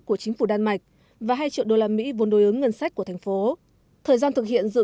của chính phủ đan mạch và hai triệu usd vốn đối ứng ngân sách của thành phố thời gian thực hiện dự